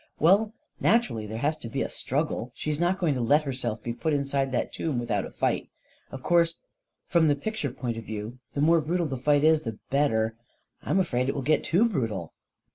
44 Well, naturally, there has to be a struggle. She's not going to let herself be put inside that tomb without a fight. Of course, from the picture point of view, the more brutal the fight is the better — I'm afraid it will get too brutal."